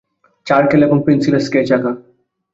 চারকেল এবং পেনসিলে স্কেচ আঁকা।